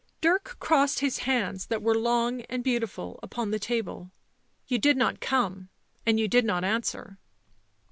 Dirk crossed his hands, that were long and beautiful, upon the table. ''You did not come and you did not answer."